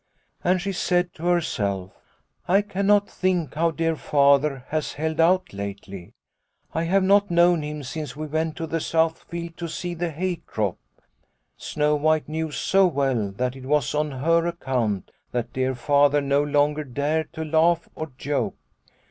And she said to herself, ' I cannot think how dear Father has held out lately. I have not known him since we went to the south field to see the hay crop.' " Snow White knew so well that it was on her account that dear Father no longer dared to laugh or joke.